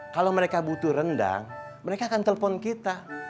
kalau mereka butuh rendang mereka akan telepon kita